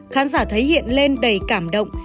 khán giả thấy hiện lên đầy cảm động